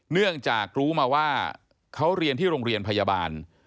เนื่องจากรู้มาว่าเขาเรียนที่โรงเรียนพยาบาล